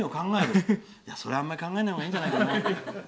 あまり考えないほうがいいんじゃないかな。